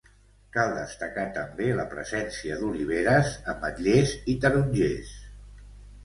Cal destacar també la presència d'oliveres, ametllers i tarongers.